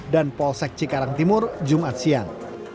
dan polsek cikarang timur jumat siang